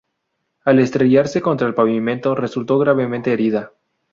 Al estrellarse contra el pavimento, resultó gravemente herida.